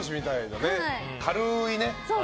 軽いね。